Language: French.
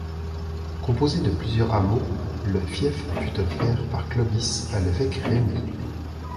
Composé de plusieurs hameaux, le fief fut offert par Clovis à l'évêque Rémi.